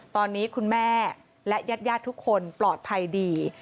ตอนนี้คุณแม่และญาติทุกคนปลอดภัยดี